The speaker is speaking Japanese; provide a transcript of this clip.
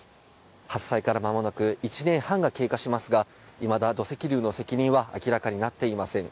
発災からまもなく１年半が経過しますがいまだ土石流の責任は明らかになっていません。